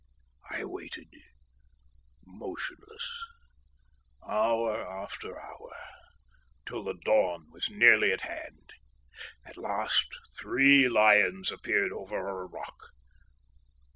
I waited, motionless, hour after hour, till the dawn was nearly at hand. At last three lions appeared over a rock.